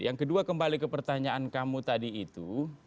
yang kedua kembali ke pertanyaan kamu tadi itu